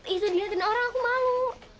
itu diliatin orang aku malu